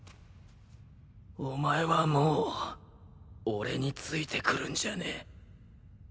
お前はもう俺についてくるんじゃねえ。